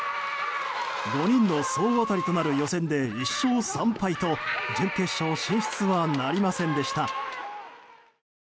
５人の総当たりとなる予選で１勝３敗と準決勝進出はなりませんでした。